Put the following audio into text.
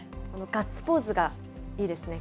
ガッツポーズがいいですね。